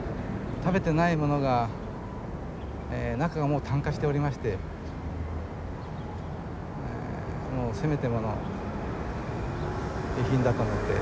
食べてないものが中がもう炭化しておりましてせめてもの遺品だと思って持って帰りました。